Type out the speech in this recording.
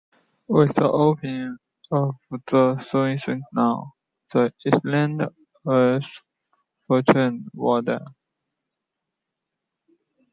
With the opening of the Suez Canal, the island's fortunes waned.